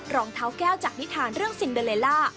รองเท้าแก้วจากนิทานเรื่องซินเดอเลล่า